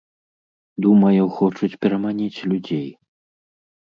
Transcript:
Думаю, хочуць пераманіць людзей.